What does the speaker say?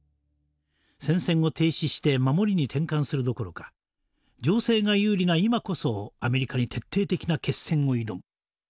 戦線を停止して守りに転換するどころか情勢が有利な今こそアメリカに徹底的な決戦を挑む。